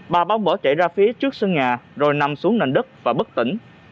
bà báo bỏ chạy ra phía trước sân nhà rồi nằm xuống nền đất và bất tỉnh